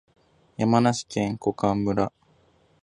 山梨県小菅村